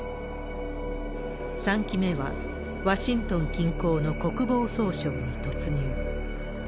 ３機目はワシントン近郊の国防総省に突入。